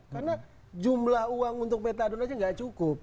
karena jumlah uang untuk meltadon aja enggak cukup